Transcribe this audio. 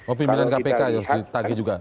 oh pimpinan kpk harus ditagi juga